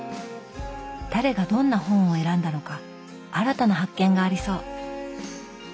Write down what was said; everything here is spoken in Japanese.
誰がどんな本を選んだのか新たな発見がありそう！